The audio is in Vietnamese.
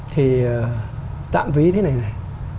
thì tạm ví thế này này